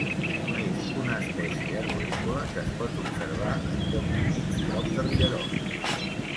És una espècie arborícola que es pot observar en llocs humits prop de rierols.